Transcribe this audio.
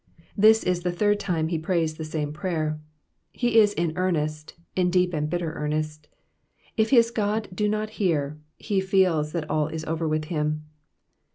This is the third time he prays the same prayer. He is in earnest, in deep and bitter earnest. If his God do not hear, he feels that all is over with him.